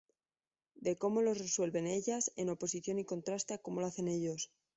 De cómo los resuelven ellas, en oposición y contraste a cómo lo hacen ellos.